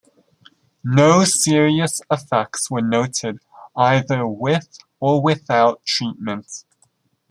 No serious effects were noted either with or without treatment.